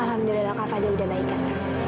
alhamdulillah kak fadil sudah baikkan